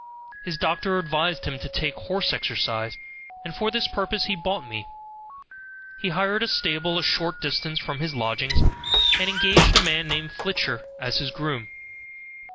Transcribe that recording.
His doctor advised him to take horse exercise, and for this purpose he bought me. He hired a stable a short distance from his lodgings, and engaged a man named Filcher as groom.